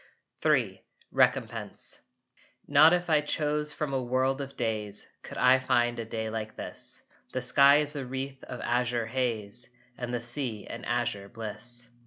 III RECOMPENSE Not if I chose from a world of days Could I find a day like this. The sky is a wreath of azure haze And the sea an azure bliss.